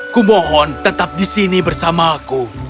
ku mohon tetap di sini bersama aku